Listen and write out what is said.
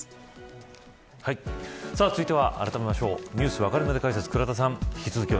続いてはニュースわかるまで解説倉田さん